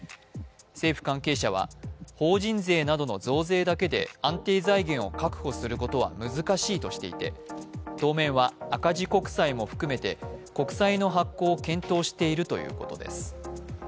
政府関係者は法人税などの増税だけで安定財源を確保することは難しいとしていて当面は赤字国債も含めて国債の発行も検討しているということです。